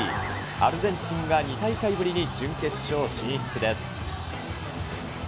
アルゼンチンが２大会ぶりに準決勝進出です。